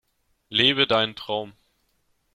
Lebe deinen Traum!